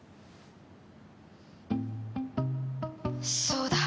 そうだ。